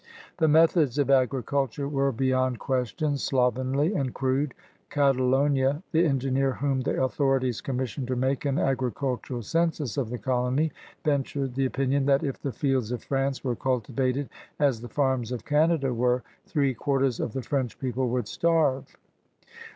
The methods of agriculture were beyond ques tion slovenly and crude. Catalogue, the engineer whom the authorities conmiissioned to make an agricultural census of the colony, ventured the opinion that, if the fields of France were cultivated as the farms of Canada were, three quarters of the French people would starve.